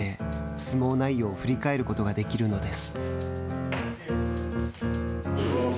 相撲内容を振り返ることができるのです。